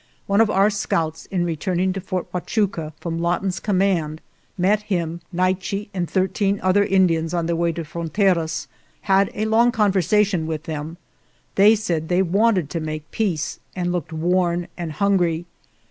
One of our scouts, in return ing to Fort Huachuca from Lawton's command, met him, Naiche, and thirteen other Indians on their way to Fronteraz ; had a long conversation with them; they said they wanted to make peace, and looked worn and hungry.